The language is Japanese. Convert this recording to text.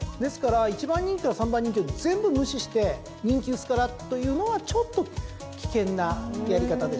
１番人気から３番人気を全部無視して人気薄からというのはちょっと危険なやり方でしょうね。